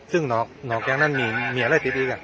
หนองแกงนั้นมีอะไรติดอีกอ่ะ